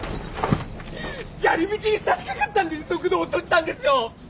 じゃり道にさしかかったんで速度を落としたんですよ。